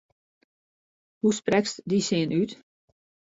Hoe sprekst dy sin út?